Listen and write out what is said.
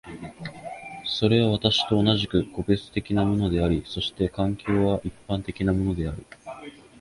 それは私と同じく個別的なものであり、そして環境は一般的なものである。